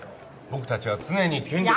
僕たちは常に権力。